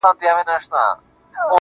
داسې واکمني به تاسو ته څنګه وایسي